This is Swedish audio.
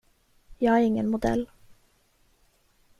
Jag är ingen modell.